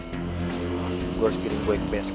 gua harus jadi quake pes